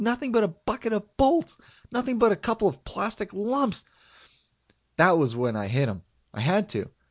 Nothing but a bucket of bolts! Nothing but a couple of plastic lumps " That was when I hit him. I had to.